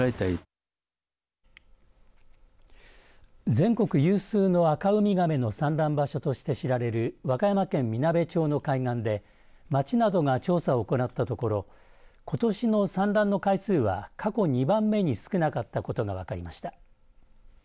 全国有数のアカウミガメの産卵場所として知られる和歌山県みなべ町の海岸で町などが調査を行ったところことしの産卵の回数は過去２番目に少なかったことが分かりました。